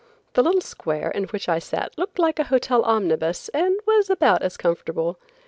The little square in which I sat looked like a hotel omnibus and was about as comfortable.